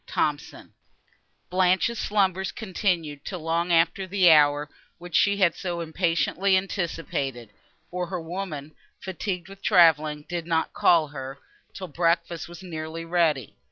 THOMSON Blanche's slumbers continued, till long after the hour, which she had so impatiently anticipated, for her woman, fatigued with travelling, did not call her, till breakfast was nearly ready.